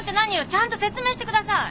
ちゃんと説明してください！